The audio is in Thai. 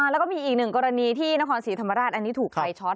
แล้วก็มีอีกหนึ่งกรณีที่นครศรีธรรมราชอันนี้ถูกไฟช็อต